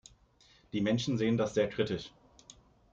Die Menschen sehen das sehr kritisch.